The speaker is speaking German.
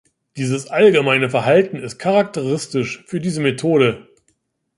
Dieses allgemeine Verhalten ist charakteristisch für diese Methode.